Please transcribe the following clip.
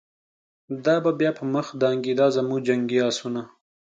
دا به بیا په مخه دانګی، دازموږ جنګی آسونه